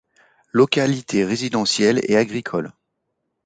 Localité résidentielle et agricole.